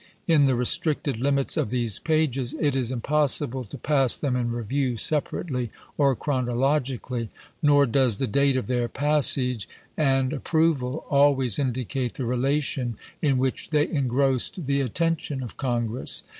In the restricted limits of these pages it is impos sible to pass them in review separately or chrono logically ; nor does the date of their passage and approval always indicate the relation in which they engrossed the attention of Congress.